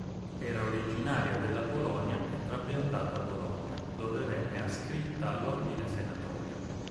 Era originaria della Polonia e trapiantata a Bologna, dove venne ascritta all'ordine senatorio.